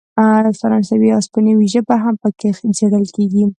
فرانسوي او هسپانوي ژبې هم پکې څیړل کیږي.